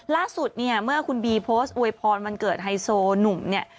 ล่าสุดเนี่ยเมื่อคุณบีโพสต์อวยพรวันเกิดไฮโซหนุ่มเนี่ย